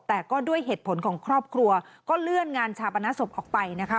แต่ก็ด้วยเหตุผลของครอบครัวก็เลื่อนงานชาปนศพออกไปนะคะ